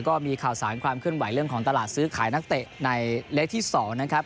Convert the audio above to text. ก็มีข่าวสารความเคลื่อนไหวเรื่องของตลาดซื้อขายนักเตะในเลขที่๒นะครับ